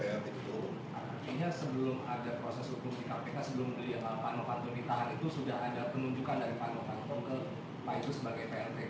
artinya sebelum ada proses kundi kpk sebelum pak novanto ditahan itu sudah ada penunjukan dari pak novanto ke pak agus sebagai plp